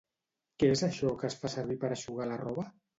Què és això que es fa servir per eixugar la roba?